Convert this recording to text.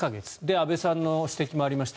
安部さんの指摘もありました。